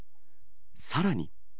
さらに。